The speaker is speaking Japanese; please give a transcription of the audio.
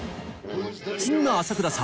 そんな浅倉さん